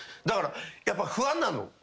だからやっぱ不安なの。